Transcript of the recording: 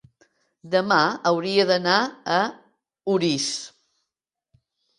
demà hauria d'anar a Orís.